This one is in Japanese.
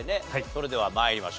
それでは参りましょう。